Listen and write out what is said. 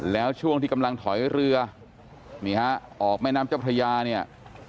แล้วช่วงที่กำลังถอยเรือนี่ฮะออกแม่น้ำเจ้าพระยาเนี่ย